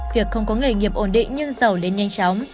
việc không có nghề nghiệp ổn định nhưng giàu đến nhanh chóng